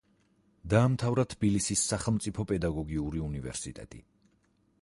დაამთავრა თბილისის სახელმწიფო პედაგოგიური უნივერსიტეტი.